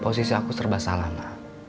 posisi aku serba salah ma